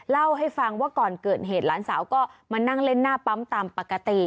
เล่าให้ฟังว่าก่อนเกิดเหตุหลานสาวก็มานั่งเล่นหน้าปั๊มตามปกติ